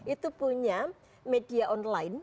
itu punya media online